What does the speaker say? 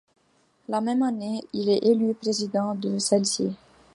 La même année, il est élu président de celle-ci.